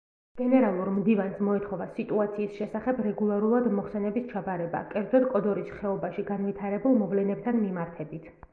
გენერალურ მდივანს მოეთხოვა სიტუაციის შესახებ რეგულარულად მოხსენების ჩაბარება, კერძოდ, კოდორის ხეობაში განვითარებულ მოვლენებთან მიმართებით.